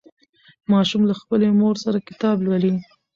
ماشوم له خپلې خور سره کتاب لولي